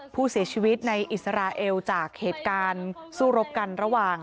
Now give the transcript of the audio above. ผู้เสียชีวิตในอิสราเอลจากเหตุการณ์สู้รบกันระหว่าง